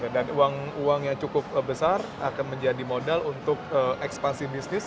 dan uang uang yang cukup besar akan menjadi modal untuk ekspansi